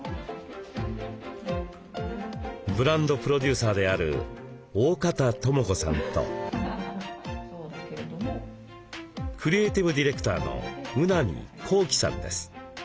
ブランドプロデューサーである大方知子さんとクリエーティブディレクターの宇波滉基さんです。